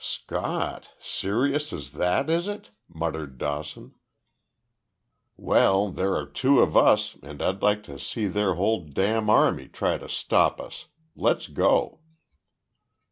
"Scott! Serious as that, is it?" muttered Dawson. "Well, there are two of us and I'd like to see their whole dam' army try to stop us. Let's go!"